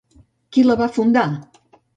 Qui la va fundar?